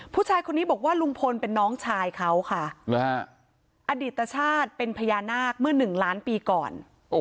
ผู้ชายคนนี้บอกว่าลุงพลเป็นน้องชายเขาค่ะอดีตชาติเป็นพญานาคเมื่อ๑ล้านปีก่อน